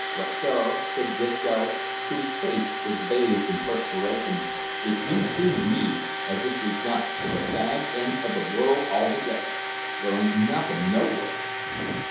"W'y, sir," said Disco, whose face was bathed in perspiration, "it do seem to me as if we'd got to the fag end of the world altogether. There ain't nothin' nowhere."